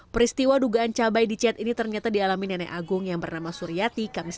peristiwa dugaan cabai dicet ini ternyata dialami nenek agung yang bernama suryati kamis